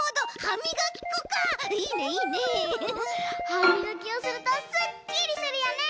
はみがきをするとすっきりするよね！